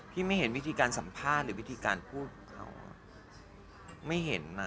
ไม่เห็นวิธีการสัมภาษณ์หรือวิธีการพูดของเขาไม่เห็น